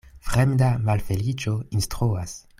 Fremda malfeliĉo instruas.